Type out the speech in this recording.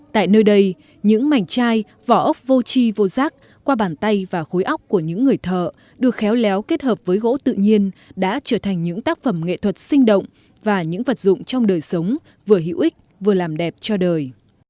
tại nơi đây những mảnh chai vỏ ốc vô chi vô giác qua bàn tay và khối óc của những người thợ được khéo léo kết hợp với gỗ tự nhiên đã trở thành những tác phẩm nghệ thuật sinh động và những vật dụng trong đời sống vừa hữu ích vừa làm đẹp cho đời